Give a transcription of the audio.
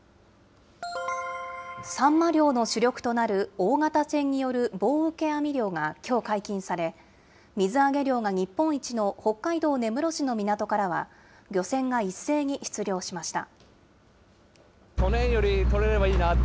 サンマ漁の主力となる大型船による棒受け網漁がきょう解禁され、水揚げ量が日本一の北海道根室市の港からは漁船が一斉に出漁しました。